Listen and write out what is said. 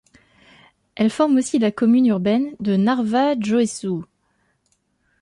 Elle forme aussi la Commune urbaine de Narva-Jõesuu.